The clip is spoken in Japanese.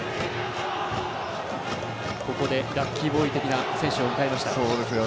ここでラッキーボーイ的な選手を迎えました。